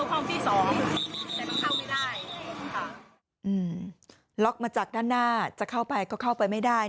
ค่ะล๊อคมาจากหน้าจะเข้าไปก็เข้าไปไม่ได้นะ